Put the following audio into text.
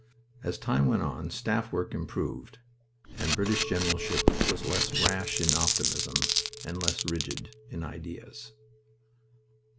As time went on staff work improved, and British generalship was less rash in optimism and less rigid in ideas.